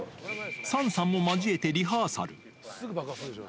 サンさんも交えてリハーサル。